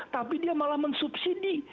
tapi dia malah mensubsidi